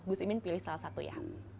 gus imin pilih salah satu ya